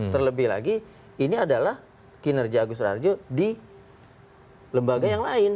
terlebih lagi ini adalah kinerja agus raharjo di lembaga yang lain